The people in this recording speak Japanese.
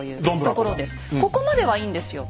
ここまではいいんですよ。